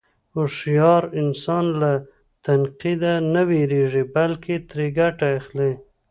هوښیار انسان له تنقیده نه وېرېږي، بلکې ترې ګټه اخلي.